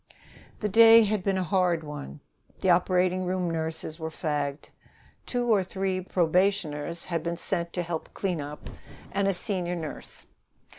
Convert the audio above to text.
The day had been a hard one. The operating room nurses were fagged. Two or three probationers had been sent to help cleanup, and a senior nurse.